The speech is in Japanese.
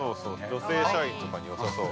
◆女性社員とかによさそう。